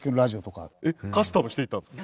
カスタムしていったんですか？